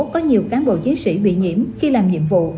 có nhiều cán bộ chiến sĩ bị nhiễm khi làm nhiệm vụ